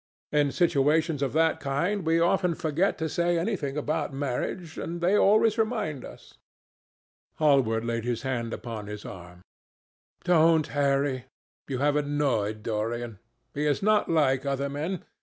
In situations of that kind we often forget to say anything about marriage, and they always remind us." Hallward laid his hand upon his arm. "Don't, Harry. You have annoyed Dorian. He is not like other men.